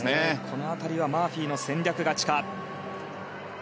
この辺りはマーフィーの戦略勝ちか。